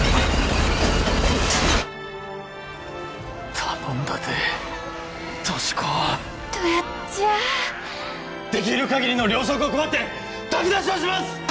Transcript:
頼んだで俊子ッどやっじゃあッできうる限りの糧食を配って炊き出しをします！